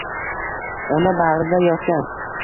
Ona bag’rida yotgan